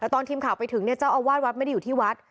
แต่ตอนทีมข่าวไปถึงเนี่ยเจ้าอาวาสวัดไม่ได้อยู่ที่วัด